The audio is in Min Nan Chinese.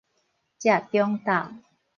食中晝